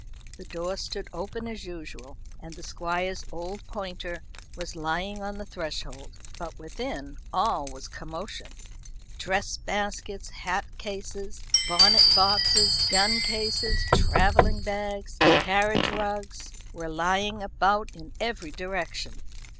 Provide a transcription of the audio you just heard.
The door stood open as usual, and the Squire's old pointer was lying on the threshold; but within all was commotion. Dress baskets, hat cases, bonnet boxes, gun cases, travelling bags, carriage rugs, were lying about in every direction.